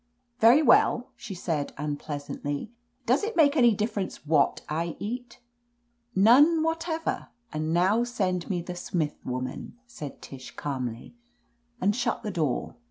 "Very well," she said unpleasantly. "Does 'it make any difference what I eat ?" "None whatever. And now send me the Smith woman," said Tish calmly. "And shut the door.